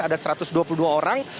ada satu ratus dua puluh dua orang